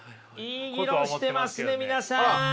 いい議論してますね皆さん！